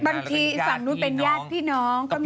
บางทีฝั่งนู้นเป็นญาติพี่น้องก็มี